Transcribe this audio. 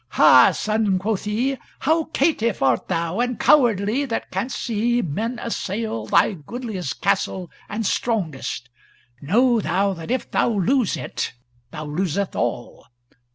"Ha! son," quoth he, "how caitiff art thou, and cowardly, that canst see men assail thy goodliest castle and strongest. Know thou that if thou lose it, thou losest all.